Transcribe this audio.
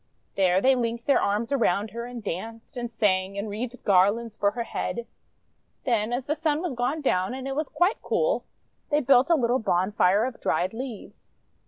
There they linked their arms around her and danced, and sang, and wreathed garlands for her head. Then as the Sun was gone down and it was quite cool, they built a little bonfire of dried leaves.